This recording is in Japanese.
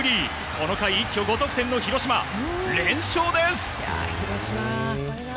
この回、一挙５得点の広島連勝です。